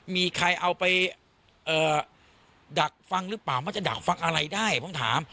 มีใครเอาไปดักฟังหรือเปล่ามันจะดักฟังอะไรได้ผมถาม